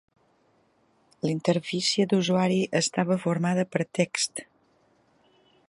La interfície d'usuari estava formada per text.